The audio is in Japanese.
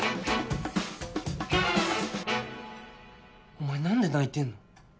お前何で泣いてんの？